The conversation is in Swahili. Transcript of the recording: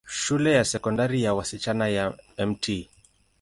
Shule ya Sekondari ya wasichana ya Mt.